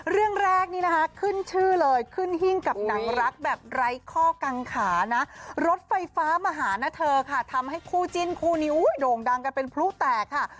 เรื่องแรกนี้นะคะขึ้นชื่อเลยขึ้นหิ้งกับหนังรักแบบไร้ข้อกังขานะรถไฟฟ้ามาหานะเธอค่ะทำให้คู่จิ้นคู่นี้โด่งดังกันเป็นพลุแตกค่ะ